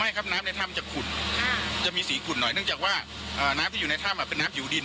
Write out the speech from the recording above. ครับน้ำในถ้ำจะขุดจะมีสีขุดหน่อยเนื่องจากว่าน้ำที่อยู่ในถ้ำเป็นน้ำผิวดิน